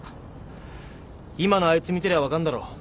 今のあいつ見てりゃ分かんだろ。